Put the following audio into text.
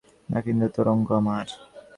না, কিন্তু তোরঙ্গ আমার।